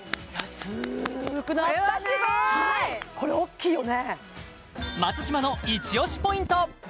これはすごいこれ大きいよね